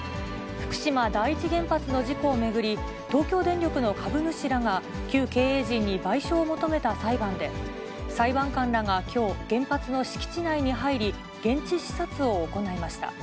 福島第一原発の事故を巡り、東京電力の株主らが、旧経営陣に賠償を求めた裁判で、裁判官らがきょう、原発の敷地内に入り、現地視察を行いました。